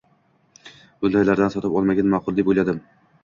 Bundaylardan sotib olmagan maʼqul, deb oʻyladim.